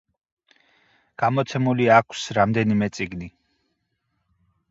გამოცემული აქვს რამდენიმე წიგნი.